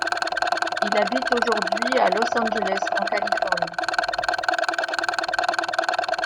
Il habite aujourd'hui à Los Angeles en Californie.